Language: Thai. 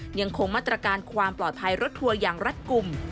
ยังคงมาตรการความปลอดภัยรถทัวร์อย่างรัฐกลุ่ม